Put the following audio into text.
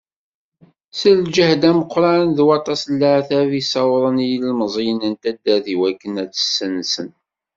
S lǧehd ameqqran d waṭas n leɛtab i ssawḍen yilemẓiyen n taddart iwakken ad tt-ssensen.